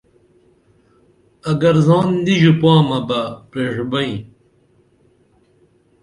اگر زان نی ژوپامہ بہ پریݜبئیں